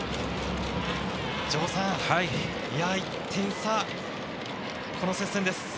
城さん、１点差、この接戦です。